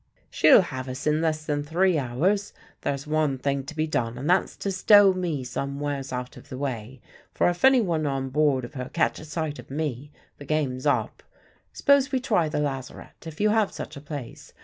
"She'll have us in less than three hours. There's one thing to be done, and that's to stow me somewheres out of the way; for if anyone on board of her catches sight of me, the game's up. S'pose we try the lazarette, if you have such a place.